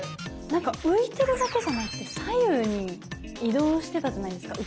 何か浮いてるだけじゃなくて左右に移動してたじゃないですか。